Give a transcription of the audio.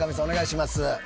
お願いします